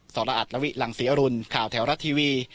รอัตลวิหลังศรีอรุณข่าวแถวรัฐทีวี